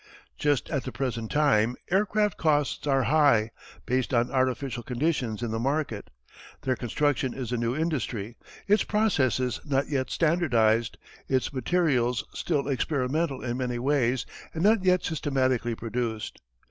Just at the present time aircraft costs are high, based on artificial conditions in the market. Their construction is a new industry; its processes not yet standardized; its materials still experimental in many ways and not yet systematically produced.